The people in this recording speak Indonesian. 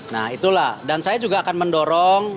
nah itulah dan saya juga akan mendorong